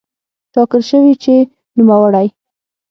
ټاکل شوې چې نوموړی